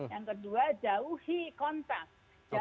yang kedua jauhi kontak